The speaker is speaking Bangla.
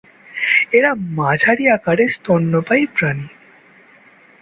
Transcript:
এরা মাঝারি আকারের স্তন্যপায়ী প্রাণী।